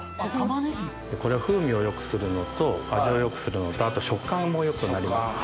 これは風味を良くするのと味を良くするのと食感も良くなります。